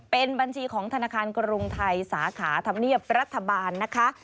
เป็นบัญชีของธนาคารกรุงไทยสาขาธรรมเนียบรัฐบาลนะคะ